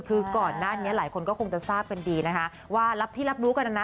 คือก่อนหน้านี้หลายคนก็คงจะทราบกันดีนะคะว่ารับที่รับรู้กันนะนะ